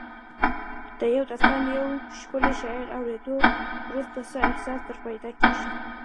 د یو داستان یا ښکلي شعر اوریدو وروسته څه احساس درته پیدا کیږي؟